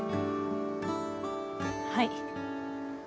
はい。